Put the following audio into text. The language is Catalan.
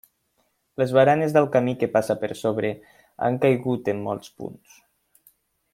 Les baranes del camí que passa per sobre han caigut en molts punts.